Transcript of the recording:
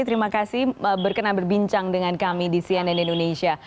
terima kasih berkenan berbincang dengan kami di cnn indonesia